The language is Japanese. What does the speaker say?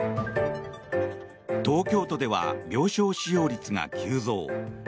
東京都では病床使用率が急増。